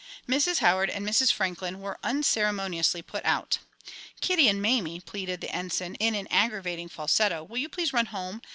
Mrs. Howard and Mrs. Franklin were unceremoniously put out. "Kitty and Mamie," pleaded the Ensign, in an aggravating falsetto, "will you please run home?